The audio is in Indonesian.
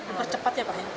mempercepat ya pak ya